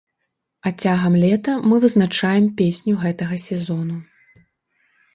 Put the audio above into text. А цягам лета мы вызначаем песню гэтага сезону.